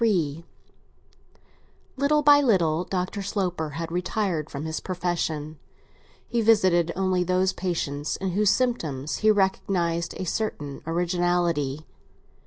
XXXIII LITTLE by little Dr. Sloper had retired from his profession; he visited only those patients in whose symptoms he recognised a certain originality.